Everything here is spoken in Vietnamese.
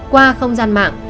qua không gian mạng